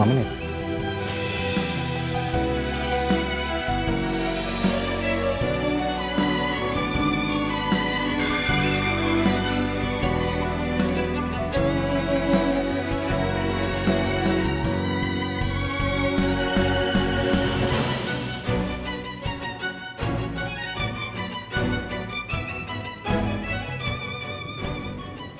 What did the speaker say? makasih ya udah dateng